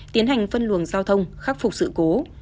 tiến hành phân luồng giao thông khắc phục sự cố